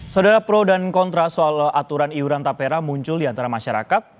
saudara pro dan kontra soal aturan iuran tapera muncul di antara masyarakat